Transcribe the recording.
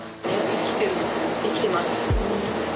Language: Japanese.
生きてます。